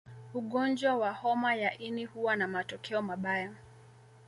Ugonjwa wa homa ya ini huwa na matokeo mabaya